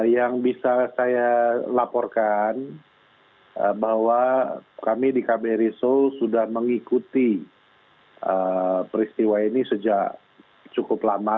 yang bisa saya laporkan bahwa kami di kbri seoul sudah mengikuti peristiwa ini sejak cukup lama